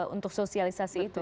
untuk sosialisasi itu ya